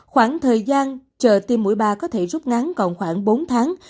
khoảng thời gian chờ tiêm mũi ba có thể rút ngắn còn khoảng bốn tháng